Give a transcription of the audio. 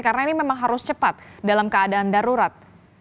karena ini memang harus cepat dalam keadaan darurat